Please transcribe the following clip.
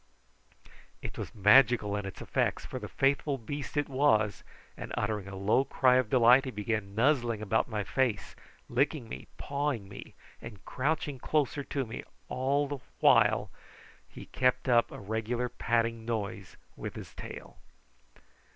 It was magical in its effects, for the faithful beast it was, and uttering a low cry of delight he began nuzzling about my face, licking me, pawing me, and crouching closer to me, as all the while he kept up a regular patting noise with his tail.